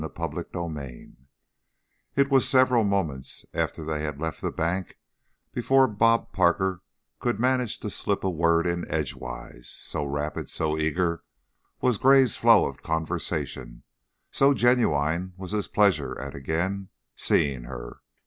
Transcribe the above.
CHAPTER XI It was several moments after they had left the bank before "Bob" Parker could manage to slip a word in edgewise, so rapid, so eager was Gray's flow of conversation, so genuine was his pleasure at again seeing her.